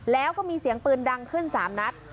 แล้วก็มีเสียงปืนดังขึ้น๓นัด